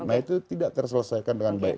nah itu tidak terselesaikan dengan baik